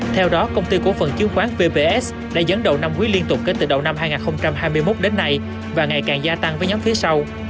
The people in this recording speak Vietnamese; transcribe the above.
theo đó công ty cổ phần chứng khoán vps đã dẫn đầu năm quý liên tục kể từ đầu năm hai nghìn hai mươi một đến nay và ngày càng gia tăng với nhóm phía sau